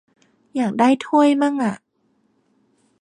อยากได้ถ้วยมั่งอะ